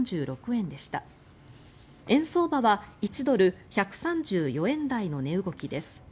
円相場は１ドル＝１３４円台の値動きです。